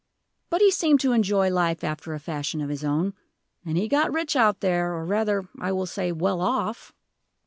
But he seemed to enjoy life after a fashion of his own. And he got rich out there, or rather, I will say, well off."